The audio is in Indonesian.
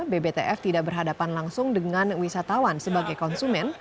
bbtf tidak berhadapan langsung dengan wisatawan sebagai konsumen